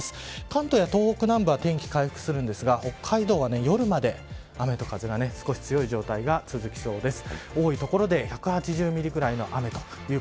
関東や東北南部は天気回復するんですが北海道は夜まで、雨と風が少し強い状態が続きそうです。